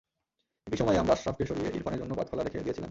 একই সময়ে আমরা আশরাফকে স্যরিয়ে ইরফানের জন্য পথ খোলা রেখে দিয়েছিলাম।